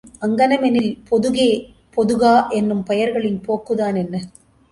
அங்ஙனமெனில், பொதுகே, பொதுகா என்னும் பெயர்களின் போக்குதான் என்ன?